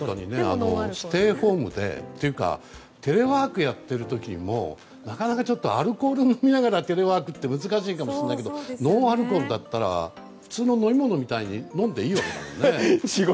ステイホームでテレワークをやっている時にもなかなかアルコールを飲みながらテレワークは難しいですがノンアルコールだったら普通の飲み物みたいに飲んでもいいんですかね。